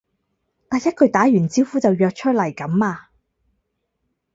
第一句打完招呼就約出嚟噉呀？